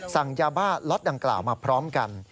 สั่งยาบ้าล็อตดังกล่าวมาพร้อมกัน